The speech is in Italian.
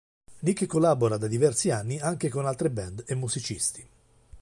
Nick collabora da diversi anni anche con altre band e musicisti.